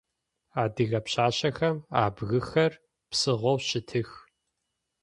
Адыгэ пшъашъэхэм абгыхэр псыгъоу щытых.